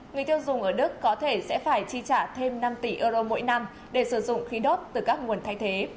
người tiêu dùng ở đức có thể sẽ phải chi trả thêm năm tỷ euro mỗi năm để sử dụng khí đốt từ các nguồn thay thế